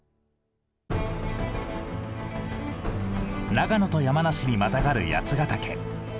長野と山梨にまたがる八ヶ岳。